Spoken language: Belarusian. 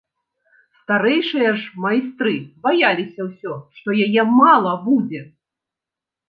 Старэйшыя ж майстры баяліся ўсё, што яе мала будзе.